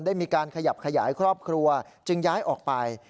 ได้มีการขยับขยายครอบครัวจึงย้ายออกไป